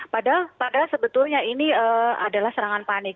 padahal sebetulnya ini adalah serangan panik